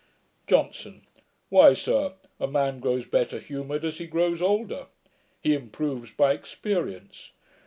JOHNSON. 'Why, sir, a man grows better humoured as he grows older. He improves by experience.